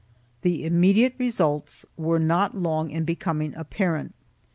The immediate results were not long in becoming apparent.